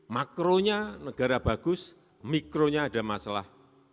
makronya negara bagus mikronya ada masalah